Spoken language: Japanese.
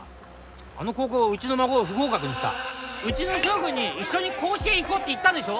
あの高校はうちの孫を不合格にしたうちの翔君に「一緒に甲子園行こう」って言ったでしょ